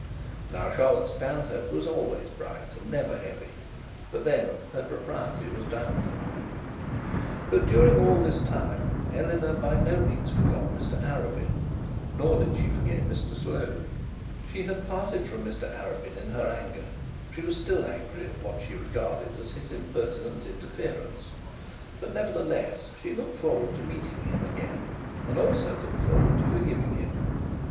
Now Charlotte Stanhope was always bright, and never heavy: but her propriety was doubtful. But during all this time Eleanor by no means forgot Mr Arabin, nor did she forget Mr Slope. She had parted from Mr Arabin in her anger. She was still angry at what she regarded as his impertinent interference; but nevertheless she looked forward to meeting him again; and also looked forward to forgiving him.